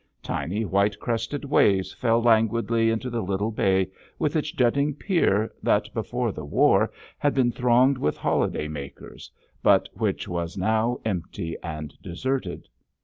Tiny white crested waves fell languidly into the little bay, with its jutting pier that before the war had been thronged with holiday makers, but which was now empty and deserted.